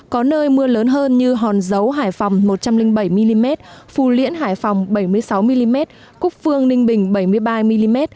có nơi mưa lớn hơn như hòn giấu hải phòng một trăm linh bảy mm phù liễn hải phòng bảy mươi sáu mm cúc phương ninh bình bảy mươi ba mm